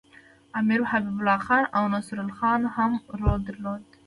امیر حبیب الله خان او نصرالله خان هم رول درلود.